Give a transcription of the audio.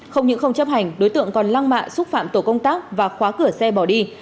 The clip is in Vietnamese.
không những không chấp hành đối tượng còn lăng mạ xúc phạm tổ công tác và khóa cửa xe bỏ đi